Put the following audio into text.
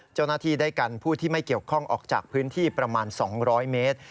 เจ้าหน้าที่ได้กันผู้ที่ไม่เกี่ยวข้องออกจากพื้นที่ประมาณ๒๐๐เมตร